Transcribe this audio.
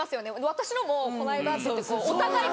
「私のもこの間」ってお互い。